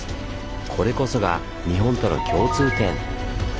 これこそが日本との共通点！